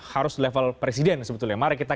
harus level presiden sebetulnya mari kita